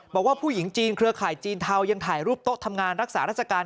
บอกว่าผู้หญิงจีนเครือข่ายจีนเทายังถ่ายรูปโต๊ะทำงานรักษาราชการ